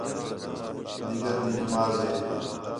دِیگر تی نماز ہے